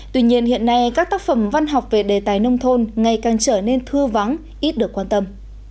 tuy nhiên hiện nay các tác phẩm văn học về đề tài nông thôn ngày càng trở nên thưa vắng ít được quan tâm